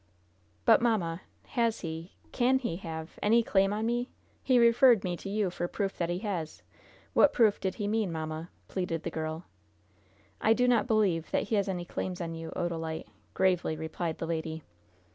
"But, mamma, has he can he have any claim on me? He referred me to you for proof that he has. What proof did he mean, mamma?" pleaded the girl. "I do not believe that he has any claims on you, Odalite," gravely replied the lady.